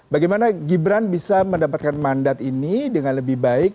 bagaimana gibran bisa mendapatkan mandat ini dengan lebih baik